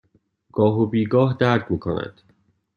گاه و بیگاه درد می کند.